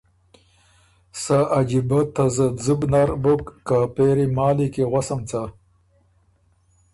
سۀ عجیبۀ تذبذب نر بُک که پېری مالی کی غؤسم څۀ؟